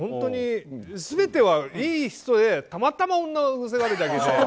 全てはいい人でたまたま女癖が悪いだけで。